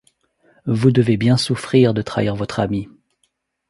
-Vous devez bien souffrir de trahir votre ami !